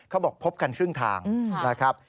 พบกันครึ่งทางนะครับ